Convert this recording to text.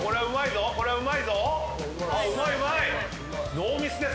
ノーミスです。